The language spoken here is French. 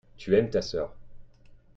tu aimes ta sœur.